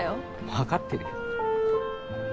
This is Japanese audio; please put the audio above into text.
分かってるよ。